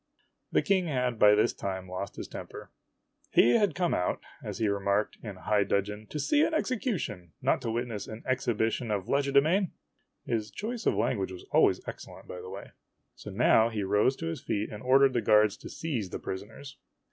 The King had by this time lost his temper. " He had come out," as he remarked in high dudgeon, "to see an execution not to witness an exhibition of legerdemain !" (His choice of language was always excellent, by the way.) So now he rose to his feet, and ordered the guards to seize the prisoners.